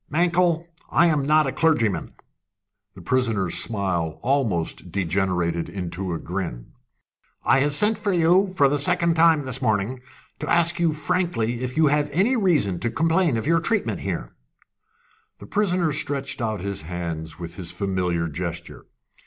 Mankell, I am not a clergyman." The prisoner's smile almost degenerated into a grin. "I have sent for you, for the second time this morning, to ask you frankly if you have any reason to complain of your treatment here?" The prisoner stretched out his hands with his familiar gesture.